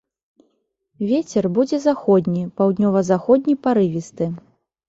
Вецер будзе заходні, паўднёва-заходні парывісты.